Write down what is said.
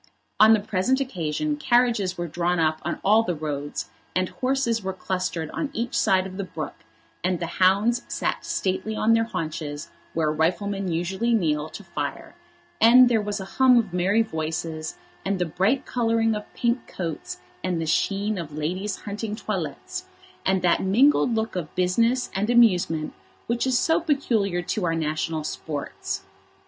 On the present occasion carriages were drawn up on all the roads, and horses were clustered on each side of the brook, and the hounds sat stately on their haunches where riflemen usually kneel to fire, and there was a hum of merry voices, and the bright colouring of pink coats, and the sheen of ladies' hunting toilettes, and that mingled look of business and amusement which is so peculiar to our national sports.